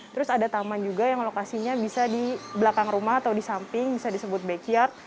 terus ada taman juga yang lokasinya bisa di belakang rumah atau di samping bisa disebut backyard